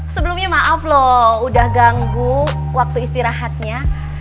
sebelumnya maaf loh udah ganggu waktu istirahatnya